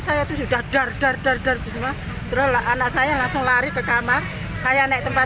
saya itu sudah dar dar dar dar terolah anak saya langsung lari ke kamar saya naik tempat